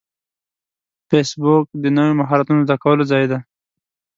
فېسبوک د نوو مهارتونو زده کولو ځای دی